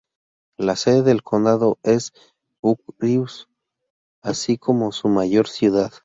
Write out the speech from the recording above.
La sede del condado es Bucyrus, así como su mayor ciudad.